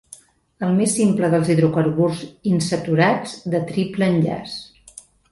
El més simple dels hidrocarburs insaturats de triple enllaç.